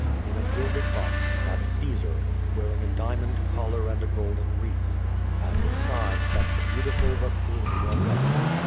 In a gilded box sat Caesar, wearing a diamond collar and a golden wreath. At his side sat the beautiful but gloomy Augusta.